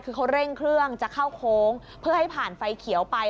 คือเขาเร่งเครื่องจะเข้าโค้งเพื่อให้ผ่านไฟเขียวไป